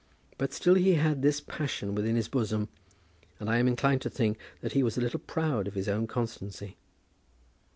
But still he had this passion within his bosom, and I am inclined to think that he was a little proud of his own constancy.